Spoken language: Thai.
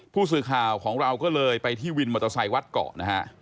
ผู้สื่อข่าวของเราก็เลยไปที่วินมอเตอร์ไซค์วัดเกาะนะฮะ